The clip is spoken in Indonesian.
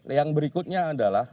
yang berikutnya adalah